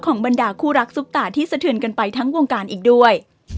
บรรดาคู่รักซุปตาที่สะเทือนกันไปทั้งวงการอีกด้วย